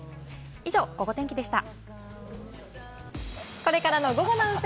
以上、ゴゴ天気でした。